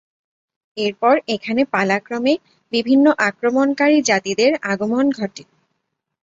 এরপর এখানে পালাক্রমে বিভিন্ন আক্রমণকারী জাতিদের আগমন ঘটে।